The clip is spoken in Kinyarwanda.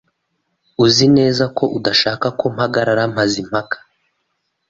Uzi neza ko udashaka ko mpamagara Mazimpaka?